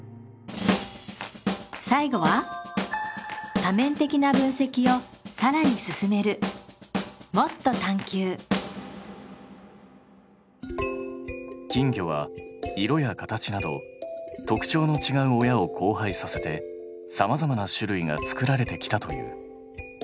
最後は多面的な分析をさらに進める金魚は色や形など特徴のちがう親を交配させてさまざまな種類が作られてきたという。